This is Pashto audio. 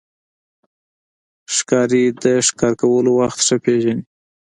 ښکاري د ښکار کولو وخت ښه پېژني.